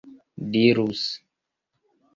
dirus